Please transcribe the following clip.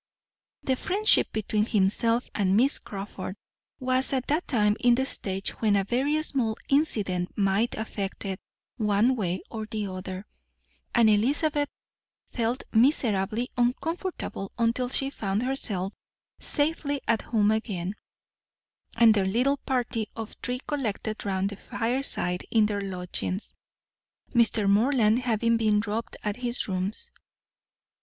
The friendship between himself and Miss Crawford was at that time in the stage when a very small incident might affect it one way or the other; and Elizabeth felt miserably uncomfortable until she found herself safely at home again, and their little party of three collected round the fireside in their lodgings, Mr. Morland having been dropped at his rooms.